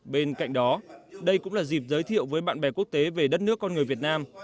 bên cạnh đó đây cũng là dịp giới thiệu với bạn bè quốc tế về đất nước con người việt nam